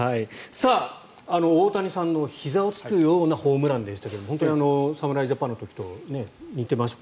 大谷さんのひざを突くようなホームランでしたけど本当に、侍ジャパンの時と似ていました。